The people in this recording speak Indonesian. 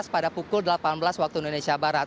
pada pukul delapan belas waktu indonesia barat